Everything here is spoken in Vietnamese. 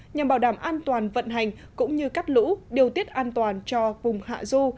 nhằm bảo đảm an toàn vận hành cũng như cắt lũ điều tiết an toàn cho vùng hạ du